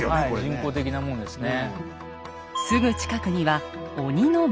人工的なものですね。